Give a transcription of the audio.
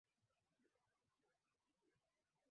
umri wa kustaafu kutoka miaka sitini mpaka sitini na miwili